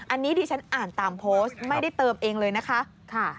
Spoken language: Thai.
อันนี้ดิฉันอ่านตามโพสต์ไม่ได้เติมเองเลยนะคะ